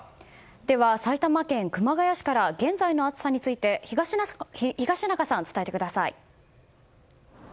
では、埼玉県熊谷市から現在の暑さについて東中さん、伝えてください。